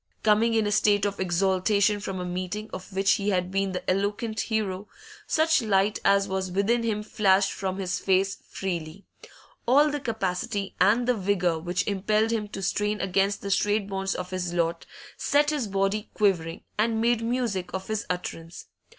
Coming in a state of exaltation from a meeting of which he had been the eloquent hero, such light as was within him flashed from his face freely; all the capacity and the vigour which impelled him to strain against the strait bonds of his lot set his body quivering and made music of his utterance.